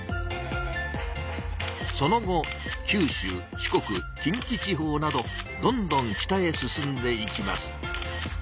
その後九州四国近畿地方などどんどん北へ進んでいきます。